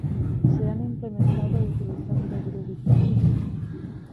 Se han implementado utilizando Groovy Tests.